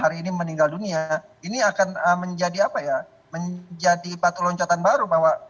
hari ini meninggal dunia ini akan menjadi apa ya menjadi batu loncatan baru bahwa